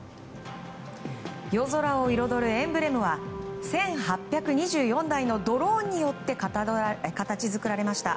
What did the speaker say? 夜空を彩るエンブレムは１８２４台のドローンによって形作られました。